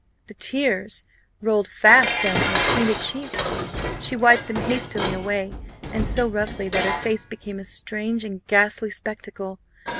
The tears rolled fast down her painted cheeks; she wiped them hastily away, and so roughly, that her face became a strange and ghastly spectacle.